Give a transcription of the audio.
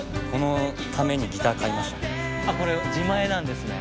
あれこれ自前なんですね。